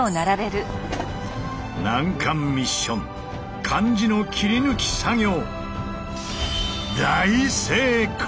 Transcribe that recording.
難関ミッション漢字の切り抜き作業。